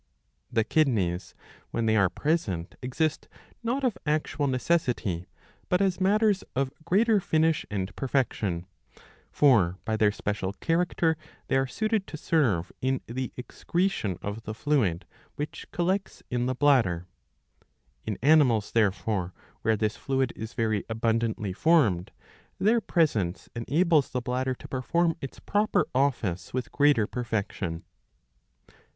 The kidneys when they are present exist not of actual necessity, but as matters of greater finish and perfection. For by their 670 b. 111. 7 — 111. 8. 79 special character they are suited to serve in the excretion of the fluid which collects in the bladder. In animals therefore where this fluid is very abundantly formed, their presence enables the bladder to perform its proper office with greater perfection.